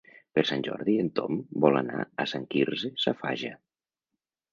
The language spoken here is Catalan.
Per Sant Jordi en Tom vol anar a Sant Quirze Safaja.